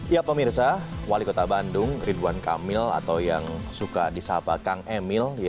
ya pemirsa wali kota bandung ridwan kamil atau yang suka disahabat kang emil